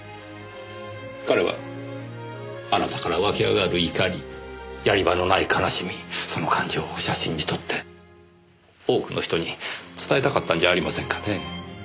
彼はあなたから湧き上がる怒りやり場のない悲しみその感情を写真に撮って多くの人に伝えたかったんじゃありませんかねぇ。